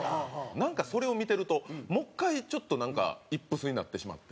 なんか、それを見てるともう１回、ちょっとイップスになってしまって。